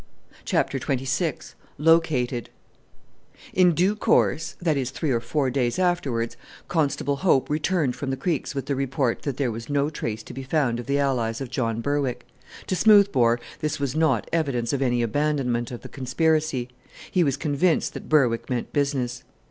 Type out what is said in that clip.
CHAPTER XXVI LOCATED In due course, that is three or four days afterwards, Constable Hope returned from the creeks with the report that there was no trace to be found of the allies of John Berwick. To Smoothbore this was not evidence of any abandonment of the conspiracy. He was convinced that Berwick meant business.